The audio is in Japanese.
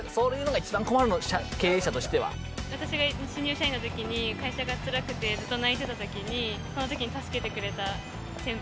私が新入社員の時に会社がつらくてずっと泣いてた時にその時に助けてくれた先輩。